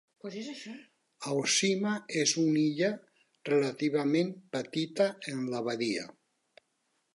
Aoshima és una illa relativament petita en la badia.